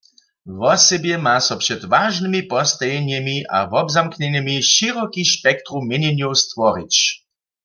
Wosebje ma so před wažnymi postajenjemi a wobzamknjenjemi šěroki spektrum měnjenjow stworić.